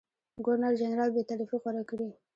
ګورنرجنرال بېطرفي غوره کړي.